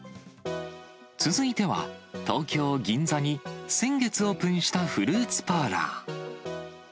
続いては、東京・銀座に先月オープンしたフルーツパーラー。